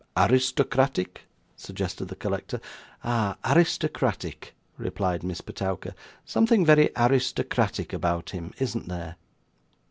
'Aristocratic?' suggested the collector. 'Ah! aristocratic,' replied Miss Petowker; 'something very aristocratic about him, isn't there?